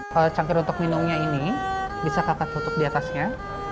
kalau cangkir untuk minumnya ini bisa kakak tutup di atasnya